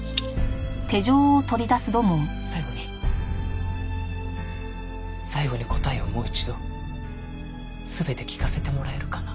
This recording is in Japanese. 最後に最後に答えをもう一度全て聞かせてもらえるかな？